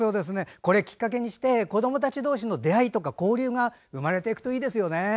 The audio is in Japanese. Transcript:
これをきっかけにして子どもたち同士の出会いとか交流が生まれていくといいですね。